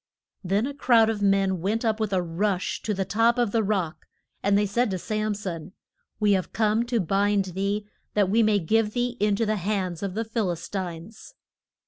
Then a crowd of men went up with a rush to the top of the rock, and they said to Sam son, We have come to bind thee, that we may give thee in to the hands of the Phil is tines.